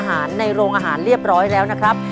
และวันนี้โรงเรียนไทรรัฐวิทยา๖๐จังหวัดพิจิตรครับ